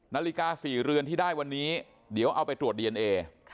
นาฬิกา๔เรือนที่ได้วันนี้เดี๋ยวเอาไปตรวจดีเอนเอ